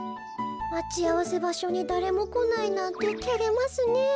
まちあわせばしょにだれもこないなんててれますねえ。